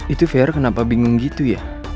itu vero kenapa bingung gitu ya